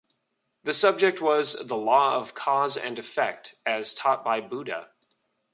The subject was "The Law of Cause and Effect, as Taught by Buddha".